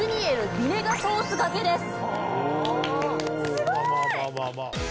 すごい！